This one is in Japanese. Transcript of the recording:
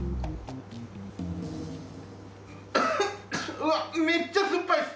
うわっめっちゃ酸っぱいです！